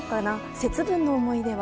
節分の思い出は？